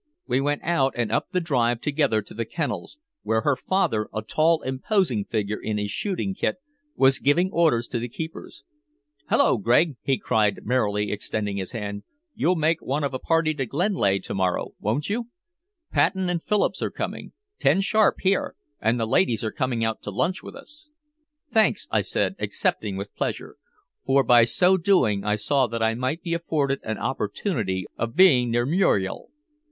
We went out and up the drive together to the kennels, where her father, a tall, imposing figure in his shooting kit, was giving orders to the keepers. "Hulloa, Gregg!" he cried merrily, extending his hand. "You'll make one of a party to Glenlea to morrow, won't you? Paton and Phillips are coming. Ten sharp here, and the ladies are coming out to lunch with us." "Thanks," I said, accepting with pleasure, for by so doing I saw that I might be afforded an opportunity of being near Muriel.